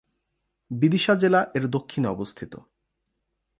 বিদিশা জেলা এর দক্ষিণে অবস্থিত।